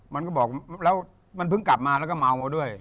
มันก็บอกแล้วมันเพิ่งกลับมาแล้วก็เมามาด้วย